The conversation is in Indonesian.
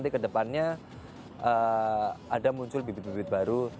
jadi ke depannya ada muncul bibit bibit baru